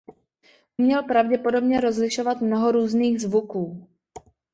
Uměl pravděpodobně rozlišovat mnoho různých zvuků.